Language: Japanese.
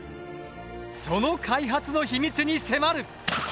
その開発の秘密に迫る！